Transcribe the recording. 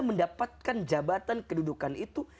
mendapatkan jabatan kedudukan itu